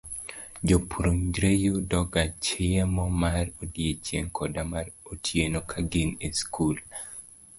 Jopuonjre yudoga chiemo mar odiechieng' koda mar otieno ka gin e skul.